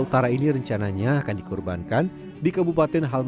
utara ini rencananya akan dikorbankan dikembangkan pada halaman mulut